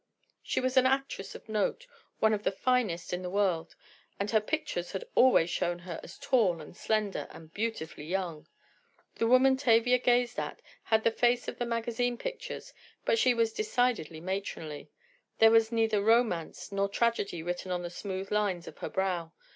She was an actress of note, one of the finest in the world, and her pictures had always shown her as tall and slender and beautifully young! The woman Tavia gazed at had the face of the magazine pictures, but she was decidedly matronly; there was neither romance nor tragedy written on the smooth lines of her brow.